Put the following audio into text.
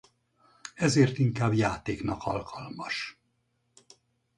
Ezért inkább játéknak alkalmas.